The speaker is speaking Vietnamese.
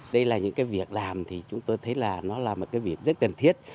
đây là những việc làm thì chúng tôi thấy là nó là một việc rất cần thiết